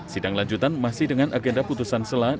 sidang lanjutan masih dengan agenda putusan sela